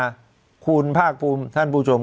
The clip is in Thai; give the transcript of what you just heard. คุณพ่านพูดคือภาครโปรมท่านผู้ชม